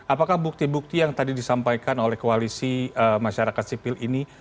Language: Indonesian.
apakah bukti bukti yang tadi disampaikan oleh koalisi masyarakat sipil ini